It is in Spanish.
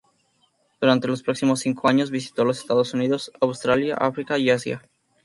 Durante los próximos cinco años, visitó los Estados Unidos, Australia, África y Asia.